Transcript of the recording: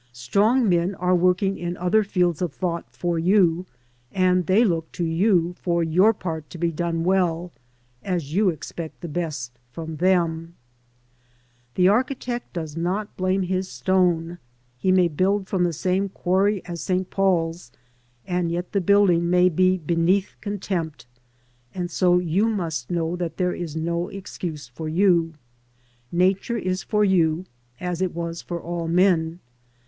Strong men are working in other fields of thought for you, and they look to you for your part to be done well, as you expect the best from thenL The architect does not blame his stone. He may build from the same quarry as St. Paul's, and yet the building may be beneath contempt, and so you must know that there is no excuse for you. Nature is for you, as it was for all men.